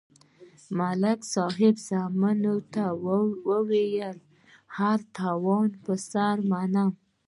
ملک صاحب زامنو ته ویل: هر تاوان پر سر منم.